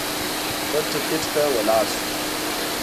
بل ټکټ ته ولاړ شو.